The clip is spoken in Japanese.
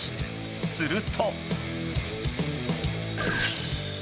すると。